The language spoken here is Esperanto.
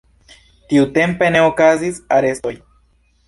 Tiutempe ne okazis arestoj.